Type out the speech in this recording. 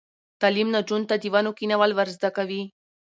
تعلیم نجونو ته د ونو کینول ور زده کوي.